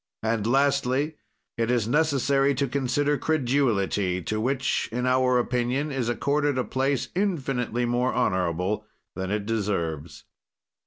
"And, lastly, it is necessary to consider credulity, to which, in our opinion, is accorded a place infinitely more honorable than it deserves."